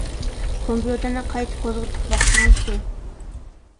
كومپيۇتېرنى قايتا قوزغىتىپ باقسىڭىزچۇ.